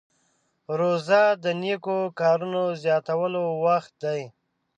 روژه د نیکو کارونو زیاتولو وخت دی.